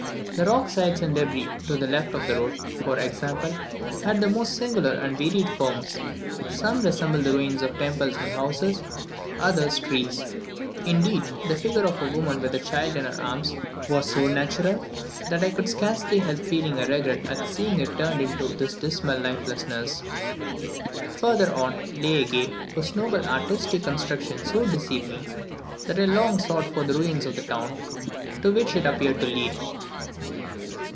The rock sides and debris to the left of the road, for example, had the most singular and varied forms. Some resembled the ruins of temples and houses, others trees; indeed, the figure of a woman with a child in her arms, was so natural, that I could scarcely help feeling a regret at seeing it turned into this dismal lifelessness. Further on, lay a gate, whose noble artistic construction so deceived me, that I long sought for the ruins of the town to which it appeared to lead.